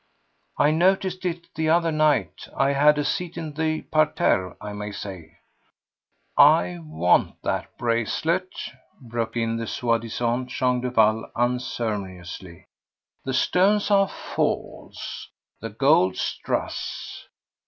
"I noticed it the other night. I had a seat in the parterre, I may say." "I want that bracelet," broke in the soi disant Jean Duval unceremoniously. "The stones are false, the gold strass.